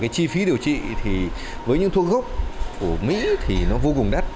chi phí điều trị với những thuốc gốc của mỹ thì vô cùng đắt